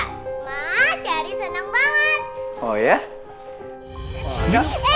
ma cari seneng banget